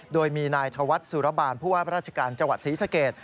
โดยมีนายธวัฒน์สุรบาลผู้ว่าราชการจังหวัดศรีสเกต